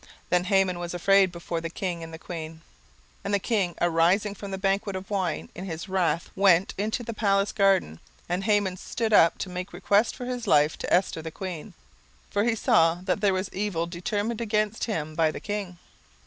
Then Haman was afraid before the king and the queen. 17:007:007 And the king arising from the banquet of wine in his wrath went into the palace garden: and Haman stood up to make request for his life to Esther the queen; for he saw that there was evil determined against him by the king.